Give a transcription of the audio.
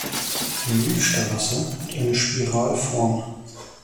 Die Milchstraße hat eine Spiralform.